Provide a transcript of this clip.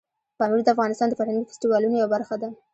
پامیر د افغانستان د فرهنګي فستیوالونو یوه برخه ده.